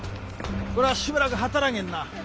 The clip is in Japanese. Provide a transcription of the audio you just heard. これはしばらく働けんな。